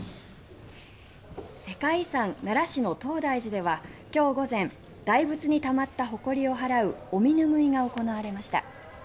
世界遺産、奈良市の東大寺では今日午前大仏にたまったほこりを払うお身拭いが行われました。